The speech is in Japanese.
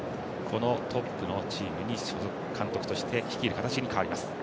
このトップのチームに監督として率いる形に変わります。